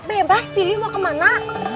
bebas pilih mau ke mana